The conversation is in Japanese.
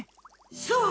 そう！